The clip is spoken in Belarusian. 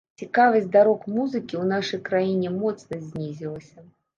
Цікавасць да рок-музыкі ў нашай краіне моцна знізілася.